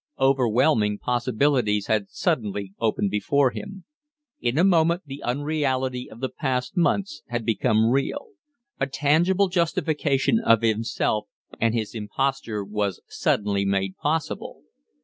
Overwhelming possibilities had suddenly opened before him. In a moment the unreality of the past months had become real; a tangible justification of himself and his imposture was suddenly made possible.